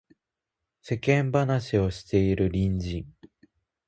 世間話ばかりしている隣人